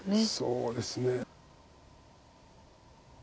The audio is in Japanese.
そうですね。